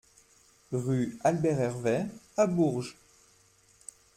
Rue Albert Hervet à Bourges